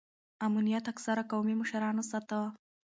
امنیت اکثره قومي مشرانو ساته.